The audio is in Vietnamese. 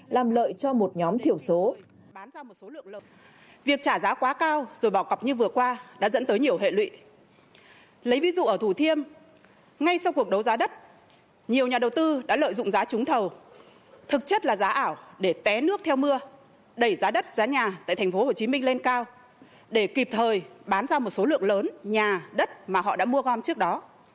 lấy ví dụ ở thủ thiêm ngay sau cuộc đấu giá đất nhiều nhà đầu tư đã lợi dụng giá trúng thầu thực chất là giá ảo để té nước theo mưa đẩy giá đất giá nhà tại tp hcm lên cao để kịp thời bán ra một số lượng lớn nhà đất mà họ đã mua gom trước đó